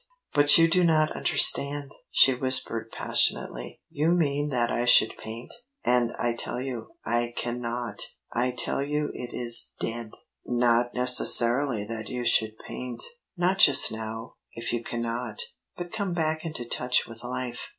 "But you do not understand," she whispered passionately. "You mean that I should paint and I tell you I cannot. I tell you it is dead!" "Not necessarily that you should paint. Not just now, if you cannot. But come back into touch with life.